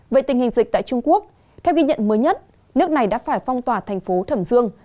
về tình hình dịch tại trung quốc theo ghi nhận mới nhất nước này đã phải phong tỏa thành phố thẩm dương